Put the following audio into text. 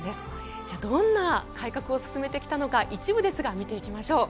じゃあどんな改革を進めてきたのか一部ですが見ていきましょう。